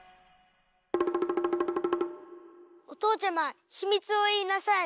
おとうちゃまひみつをいいなさい。